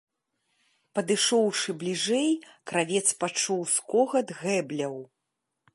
Падышоўшы бліжэй, кравец пачуў скогат гэбляў.